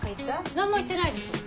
何も言ってないです。